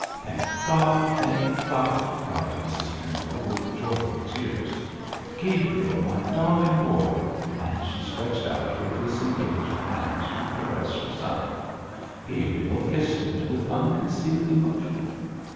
'Thank God! thank God!' cried Mrs Pendle, with joyful tears. 'Gabriel, my darling boy!' and she stretched out her disengaged hand to caress her son. Gabriel kissed it with unconcealed emotion.